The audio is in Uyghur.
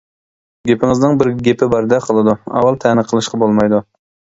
گېپىڭىزنىڭ بىر گېپى بارىدەك قىلىدۇ. ئاۋۋال تەنە قىلىشقا بولمايدۇ.